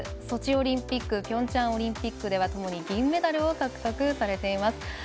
ソチオリンピックピョンチャンオリンピックともに銀メダルを獲得されています。